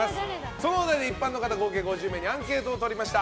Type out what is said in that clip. そのお題で一般の方合計５０名にアンケートを取りました。